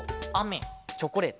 チョコレート。